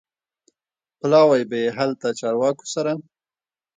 پلاوی به یې هلته چارواکو سره